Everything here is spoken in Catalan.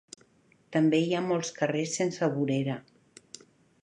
També hi ha molts carrers sense vorera.